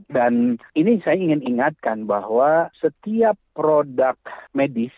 dan ini saya ingin ingatkan bahwa setiap produk medis